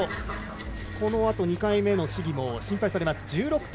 このあと２回目の試技も心配されます。